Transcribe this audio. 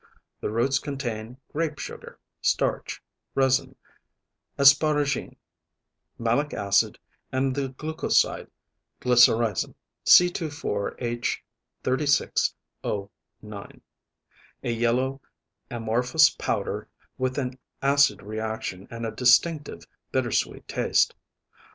The roots contain grape sugar, starch, resin, asparagine, malic acid and the glucoside glycyrrhizin, C^24H36O9, a yellow amorphous powder with an acid reaction and a distinctive bitter sweet taste.